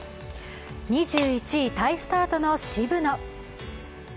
２１位タイスタートの渋野。